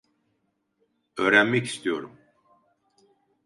Öğrenmek istiyorum.